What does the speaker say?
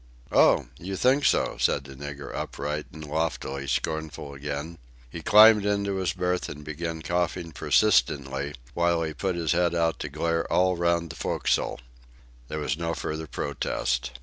"Oh! you think so," said the nigger upright and loftily scornful again. He climbed into his berth and began coughing persistently while he put his head out to glare all round the forecastle. There was no further protest.